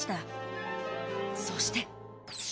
そして。